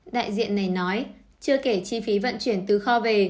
đại diện này nói chưa kể chi phí vận chuyển từ kho về